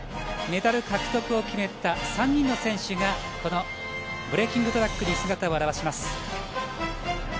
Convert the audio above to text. メダル獲得を決めた３人の選手がこのブレーキングトラックに姿を現します。